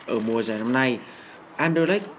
ở mùa giải năm nay anderlecht